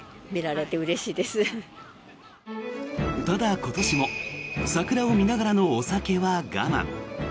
ただ、今年も桜を見ながらのお酒は我慢。